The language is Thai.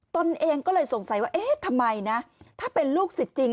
ตนเองก็เลยสงสัยว่าเอ๊ะทำไมนะถ้าเป็นลูกศิษย์จริง